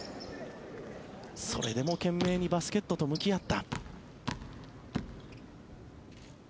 それでも懸命にバスケットと向き合った。